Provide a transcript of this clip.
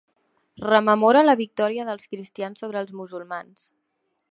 Rememora la victòria dels cristians sobre els musulmans.